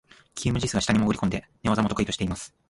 キム・ジスが下に潜り込んで、寝技も得意としています。